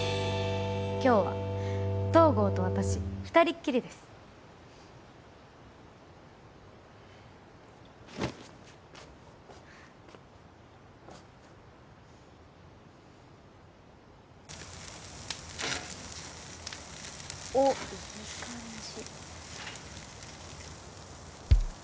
今日は東郷と私二人っきりですおっいい感じ